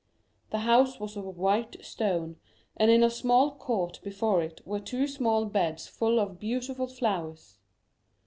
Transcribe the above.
The house was of white stone, and in a small court before it were two small beds full of beautiful flowers.